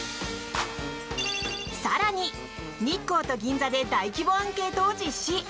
更に、日光と銀座で大規模アンケートを実施。